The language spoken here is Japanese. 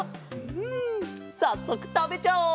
んさっそくたべちゃおう！